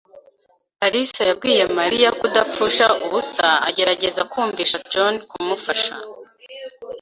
karasira yabwiye Mariya kudapfusha ubusa agerageza kumvisha John kumufasha.